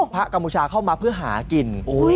พระกามุชาเข้ามาเพื่อหากิน